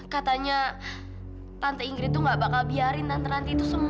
katanya tante ingrit nggak bakal biarin